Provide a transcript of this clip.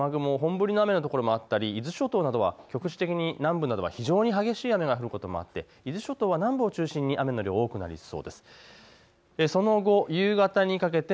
特に午後になると雨雲、本降りの雨の所もあったり伊豆諸島などは局地的に南部などは非常に激しい雨が降ることもあって伊豆諸島は南部を中心に雨の量多くなりそうです。